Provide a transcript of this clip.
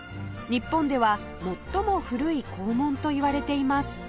日本では最も古い閘門といわれています